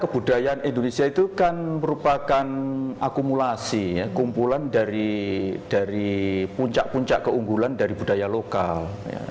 kebudayaan indonesia itu kan merupakan akumulasi kumpulan dari puncak puncak keunggulan dari budaya lokal